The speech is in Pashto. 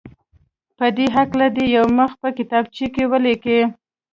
په دې هکله دې یو مخ په کتابچه کې ولیکي.